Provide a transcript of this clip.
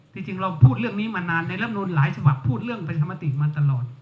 จริงเราพูดเรื่องนี้มานานในลำนูนหลายฉบับพูดเรื่องประชามติมาตลอด